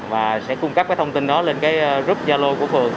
và sẽ cung cấp thông tin đó lên group gia lô của phường